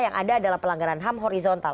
yang ada adalah pelanggaran ham horizontal